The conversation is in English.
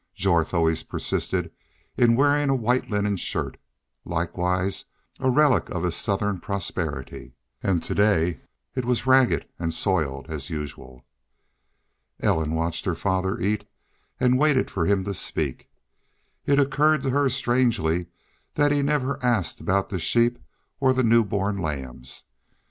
Jorth always persisted in wearing a white linen shirt, likewise a relic of his Southern prosperity, and to day it was ragged and soiled as usual. Ellen watched her father eat and waited for him to speak. It occured to her strangely that he never asked about the sheep or the new born lambs.